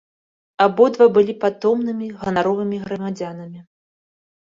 Абодва былі патомнымі ганаровымі грамадзянамі.